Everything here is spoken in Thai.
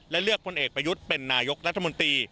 และเลือกพลเอกประยุทธ์เป็นนายกรัฐมนตรี